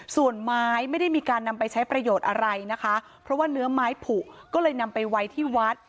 ส่วนไม้ไม่ได้มีการนำไปใช้ประโยชน์อะไรนะคะเพราะว่าเนื้อไม้ผูกก็เลยนำไปไว้ที่วัด